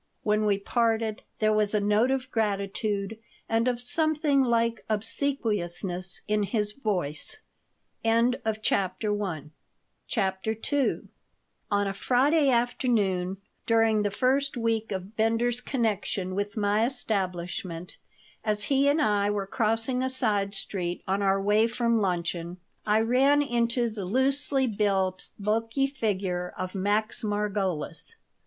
When we parted there was a note of gratitude and of something like obsequiousness in his voice CHAPTER II ON a Friday afternoon, during the first week of Bender's connection with my establishment, as he and I were crossing a side street on our way from luncheon, I ran into the loosely built, bulky figure of Max Margolis.